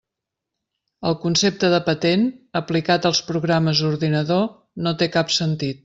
El concepte de patent, aplicat als programes d'ordinador, no té cap sentit.